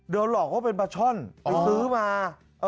โดนหลอก๑๙๔๘ทั้งเป็นบาชาวนที่ถูกมา